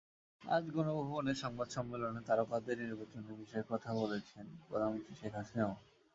আজ গণভবেন সংবাদ সম্মেলনে তারকাদের নির্বাচনের বিষয়ে কথা বলেছেন প্রধানমন্ত্রী শেখ হাসিনাও।